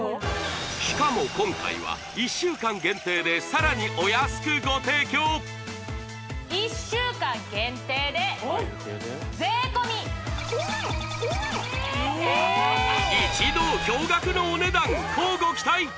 しかも今回は１週間限定でさらにお安くご提供一同驚がくのお値段乞うご期待